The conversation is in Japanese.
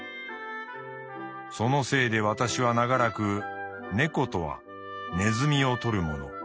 そのせいで私は長らく猫とはネズミを捕るもの